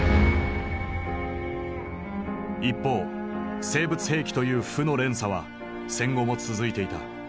一方生物兵器という負の連鎖は戦後も続いていた。